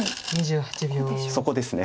そこですね